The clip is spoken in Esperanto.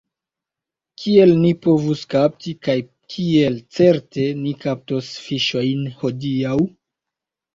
Kiel ni povus kapti, kaj kiel certe ni kaptos fiŝojn hodiaŭ?